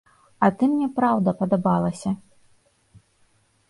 А ты мне, праўда, падабалася.